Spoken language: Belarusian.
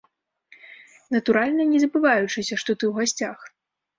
Натуральна, не забываючыся, што ты ў гасцях.